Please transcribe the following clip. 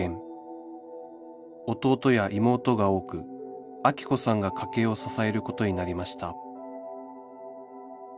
弟や妹が多くアキ子さんが家計を支えることになりました